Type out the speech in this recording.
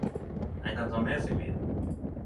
Ein kan ta med seg vin.